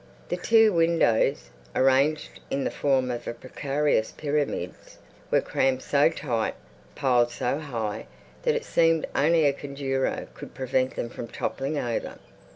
The two windows, arranged in the form of precarious pyramids, were crammed so tight, piled so high, that it seemed only a conjurer could prevent them from toppling over.